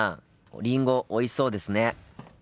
りんごおいしそうですね。